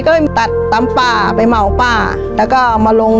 ชีวิตหนูเกิดมาเนี่ยอยู่กับดิน